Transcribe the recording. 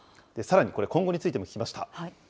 さらにこれ、今後についても聞きました。